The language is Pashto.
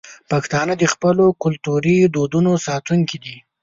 پښتانه د خپلو کلتوري دودونو ساتونکي دي.